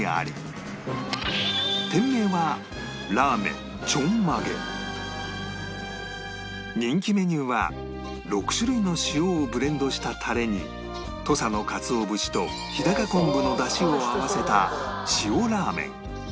店名は人気メニューは６種類の塩をブレンドしたタレに土佐のかつお節と日高昆布のダシを合わせた塩らーめん